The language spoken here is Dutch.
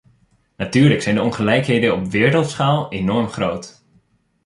Natuurlijk zijn de ongelijkheden op wereldschaal enorm groot.